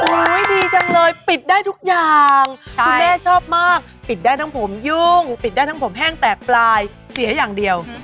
ดีจังเลยปิดได้ทุกอย่างคุณแม่ชอบมากปิดได้ทั้งผมยุ่งปิดได้ทั้งผมแห้งแตกปลายเสียอย่างเดียว